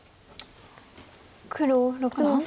黒６の三。